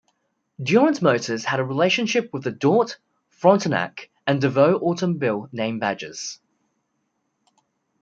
Durant Motors had a relationship with the Dort, Frontenac, and DeVaux automobile name badges.